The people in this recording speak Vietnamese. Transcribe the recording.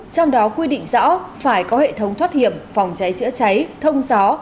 trong đó quy định rõ phải có hệ thống thoát hiểm phòng cháy chữa cháy thông gió